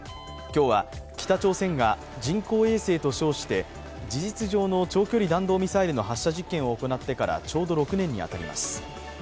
今日は北朝鮮が人工衛星と称して事実上の長距離弾道ミサイルの発射実験を行ってからちょうど６年に当たります。